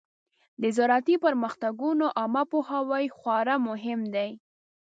د زراعتي پرمختګونو عامه پوهاوی خورا مهم دی.